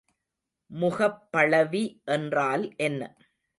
முகப்பளவி என்றால் என்ன?